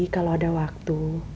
kalau ada waktu